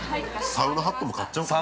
◆サウナハットも買っちゃおうかな。